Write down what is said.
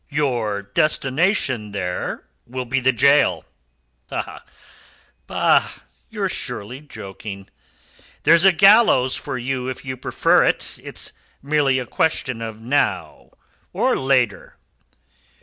"Your destination there will be the gaol." "Ah, bah! Ye're surely joking!" "There's a gallows for you if you prefer it. It's merely a question of now or later."